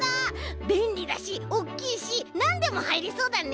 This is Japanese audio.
べんりだしおっきいしなんでもはいりそうだね！